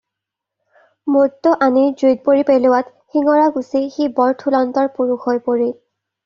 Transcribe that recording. মোটটো আনি জুইত পুৰি পেলোৱাত শিঙৰা গুচি সি বৰ থূলন্তৰ পুৰুষ হৈ পৰিল।